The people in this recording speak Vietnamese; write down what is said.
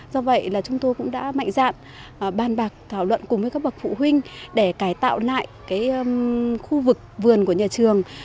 do vậy là chúng tôi cũng đã mạnh dạn bàn bạc thảo luận cùng với các bậc phụ huynh để cải tạo lại khu vực vườn của nhà trường